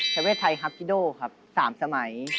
ชาเวสไทยฮัพทิโด่ครับ๓สมัย